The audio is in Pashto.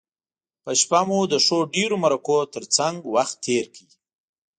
په شپه مو د ښو ډیرو مرکو تر څنګه وخت تیر کړ.